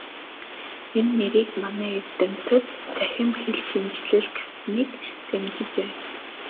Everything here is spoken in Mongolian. Энэ нэрийг манай эрдэмтэд "Цахим хэлшинжлэл" гэснийг дэмжиж байна.